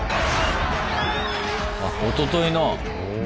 あっおとといの。